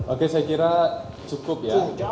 oke saya kira cukup ya